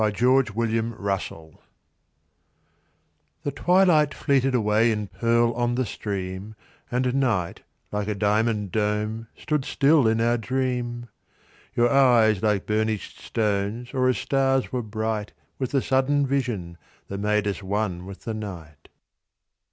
THE VISION OF LOVE The twilight fleeted away in pearl on the stream, And night, like a diamond dome, stood still in our dream. Your eyes like burnished stones or as stars were bright With the sudden vision that made us one with the night.